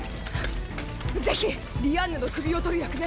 ぜひディアンヌの首を取る役目